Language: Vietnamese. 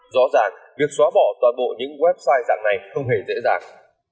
rõ ràng việc xóa bỏ toàn bộ những website dạng này không hề dễ dàng